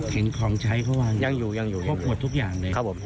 เห็นคลองใช้เข้ามาครบกวนทุกอย่างเลยแต่ไม่เห็นตัว